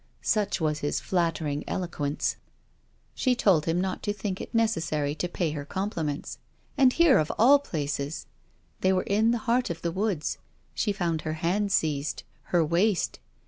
Such was his flattering eloquence. She told him not to think it necessary to pay her compliments. 'And here, of all places!' They were in the heart of the woods. She found her hand seized her waist.